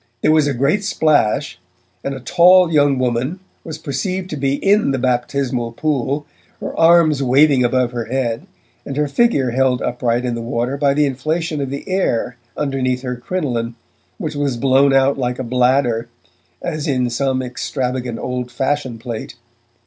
There was a great splash, and a tall young woman was perceived to be in the baptismal pool, her arms waving above her head, and her figure held upright in the water by the inflation of the air underneath her crinoline which was blown out like a bladder, as in some extravagant old fashion plate.